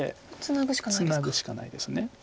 ツナぐしかないですか。